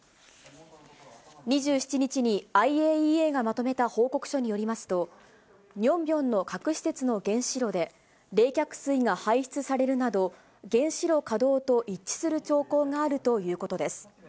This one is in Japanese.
２７日にＩＡＥＡがまとめた報告書によりますと、ニョンビョンの核施設の原子炉で、冷却水が排出されるなど、原子炉稼働と一致する兆候があるということです。